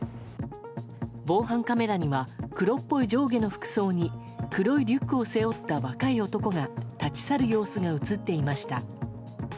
防犯カメラには黒っぽい上下の服装に黒いリュックを背負った若い男が立ち去る様子が映っていました。